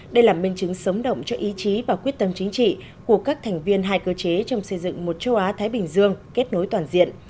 đây là minh chứng sống động cho ý chí và quyết tâm chính trị của các thành viên hai cơ chế trong xây dựng một châu á thái bình dương kết nối toàn diện